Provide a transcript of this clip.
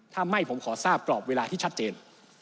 ถ้าไม่ผมขอทราบกรอบเวลาที่ชัดเจน